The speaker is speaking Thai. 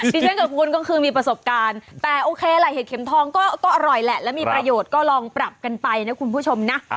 ดิฉันกับคุณก็คือมีประสบการณ์แต่โอเคแหละเห็ดเข็มทองก็อร่อยแหละแล้วมีประโยชน์ก็ลองปรับกันไปนะคุณผู้ชมนะ